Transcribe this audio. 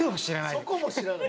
そこも知らない。